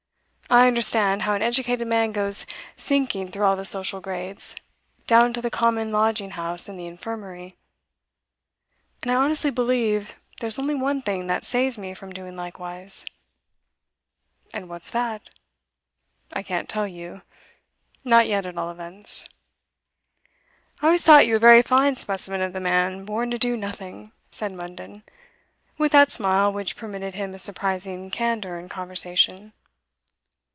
I understand how an educated man goes sinking through all the social grades, down to the common lodging house and the infirmary. And I honestly believe there's only one thing that saves me from doing likewise.' 'And what's that?' 'I can't tell you not yet, at all events.' 'I always thought you a very fine specimen of the man born to do nothing,' said Munden, with that smile which permitted him a surprising candour in conversation.